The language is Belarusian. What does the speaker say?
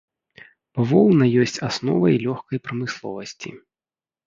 Бавоўна ёсць асновай лёгкай прамысловасці.